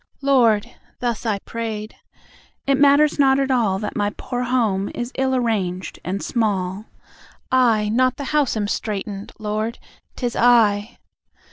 "Lord" (thus I prayed), "it matters not at all That my poor home is ill arranged and small: I, not the house, am straitened; Lord, 'tis I!